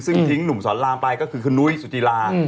ซึ่งทิ้งหนุ่มสอนรามไปก็คือคุณนุ้ยสุจิลา